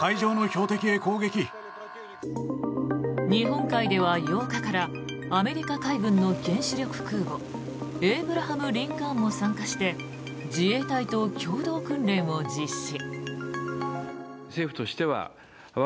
日本海では８日からアメリカ海軍の原子力空母「エイブラハム・リンカーン」も参加して自衛隊と共同訓練を実施。